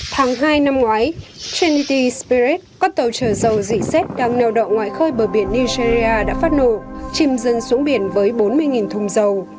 tháng hai năm ngoái trinity spirit con tàu chở dầu dị xét đang nèo đậu ngoài khơi bờ biển nigeria đã phát nổ chìm dân xuống biển với bốn mươi thùng dầu